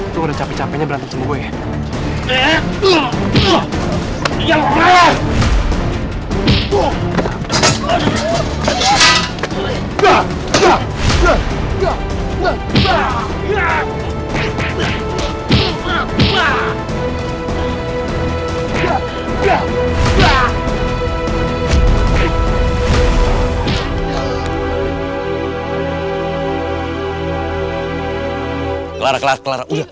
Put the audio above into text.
lu udah capek capeknya berantem sama gue ya